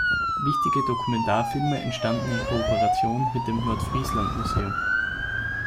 Wichtige Dokumentarfilme entstanden in Kooperation mit dem "Nordfriesland Museum.